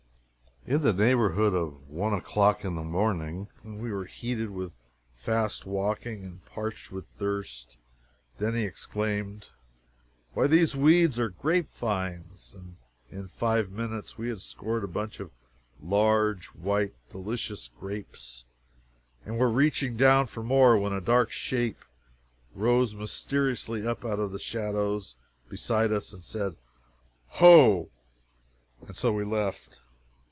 In the neighborhood of one o'clock in the morning, when we were heated with fast walking and parched with thirst, Denny exclaimed, "Why, these weeds are grape vines!" and in five minutes we had a score of bunches of large, white, delicious grapes, and were reaching down for more when a dark shape rose mysteriously up out of the shadows beside us and said "Ho!" And so we left.